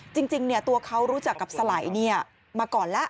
จริงตัวเขารู้จักกับสไหลมาก่อนแล้ว